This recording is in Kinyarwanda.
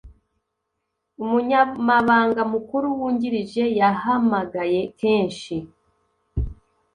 umunyamabanga mukuru wungirije yahamagaye kenshi